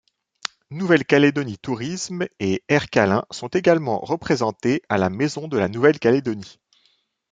Nouvelle-Calédonie Tourisme et Aircalin sont également représentés à la Maison de la Nouvelle-Calédonie.